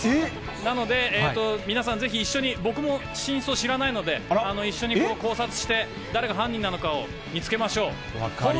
なので、皆さんぜひ一緒に、僕も真相知らないので、一緒に考察して、誰が犯人なのかを見つけましょう。